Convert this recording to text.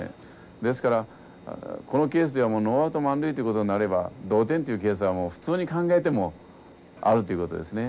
ですからこのケースではノーアウト満塁ということになれば同点っていうケースはもう普通に考えてもあるっていうことですね。